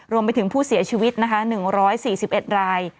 รวมไปถึงผู้เสียชีวิตนะคะ๑๔๑ราย